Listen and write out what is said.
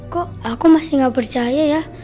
kok aku masih gak percaya ya